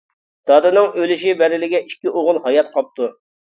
دادىنىڭ ئۆلۈش بەدىلىگە ئىككى ئوغۇل ھايات قاپتۇ.